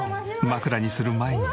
枕にする前に。